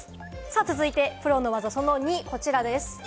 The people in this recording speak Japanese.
続いてプロの技、その２、こちらです。